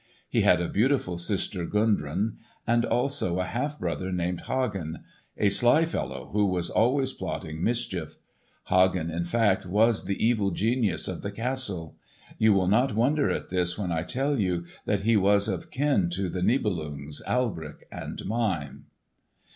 He had a beautiful sister Gudrun; and, also, a half brother named Hagen, a sly fellow who was always plotting mischief. Hagen, in fact, was the evil genius of the castle. You will not wonder at this when I tell you that he was of kin to the Nibelungs, Alberich and Mime.